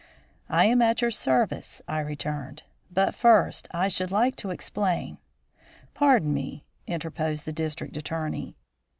"I am at your service," I returned. "But, first, I should like to explain " "Pardon me," interposed the District Attorney.